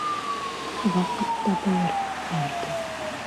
Ваҡыт табылыр, бәлки.